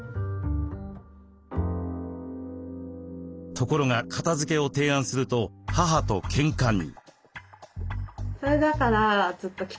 ところが片づけを提案すると母とけんかに。